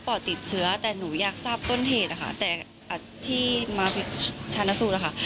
อดติดเชื้อแต่หนูอยากทราบต้นเหตุนะคะแต่ที่มาชานสูตรอะค่ะ